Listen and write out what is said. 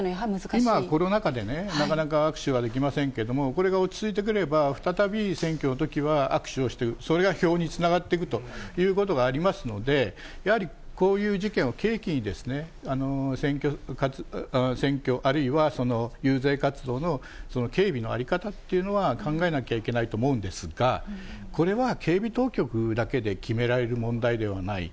今、コロナ禍で、なかなか握手はできませんけれども、これが落ち着いてくれば、再び、選挙のときは握手をして、それが票につながっていくということがありますので、やはりこういう事件を契機に、選挙、あるいは遊説活動の警備の在り方っていうのは、考えなきゃいけないと思うんですが、これは警備当局だけで決められる問題ではない。